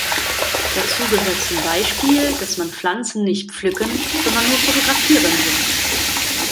Dazu gehört zum Beispiel, dass man Pflanzen nicht pflücken, sondern nur fotografieren soll.